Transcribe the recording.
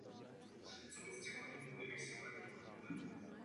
Konala se též tisková konference.